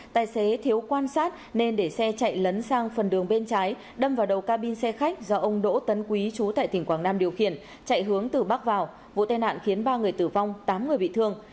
tài xế thiếu quan sát nên để xe chạy lấn sang phần đường bên trái đâm vào đầu cabin xe khách do ông đỗ tấn quý chú tại tỉnh quảng nam điều khiển chạy hướng từ bắc vào vụ tai nạn khiến ba người tử vong tám người bị thương